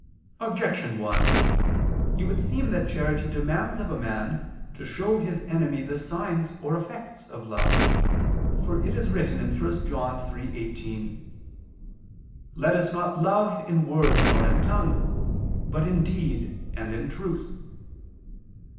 Objection 1: It would seem that charity demands of a man to show his enemy the signs or effects of love. For it is written (1 John 3:18): "Let us not love in word nor in tongue, but in deed and in truth."